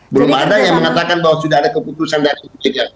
belum ada yang mengatakan bahwa sudah ada keputusan dari ibu mega